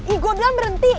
ih gue bilang berhenti